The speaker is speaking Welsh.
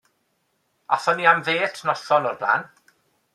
Athon ni am ddêt noson o'r blaen.